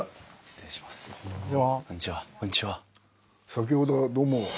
先ほどはどうも。